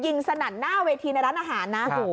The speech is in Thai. สนั่นหน้าเวทีในร้านอาหารนะ